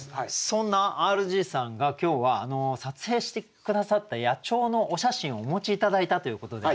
そんなＲＧさんが今日は撮影して下さった野鳥のお写真をお持ち頂いたということで。